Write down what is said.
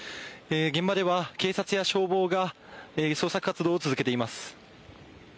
現場では警察や消防が捜索活動を続けています。